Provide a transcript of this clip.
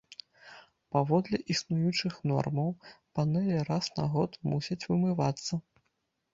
Паводле існуючых нормаў, панэлі раз на год мусяць вымывацца.